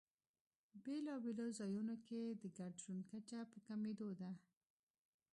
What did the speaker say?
بېلابېلو ځایونو کې د ګډ ژوند کچه په کمېدو ده.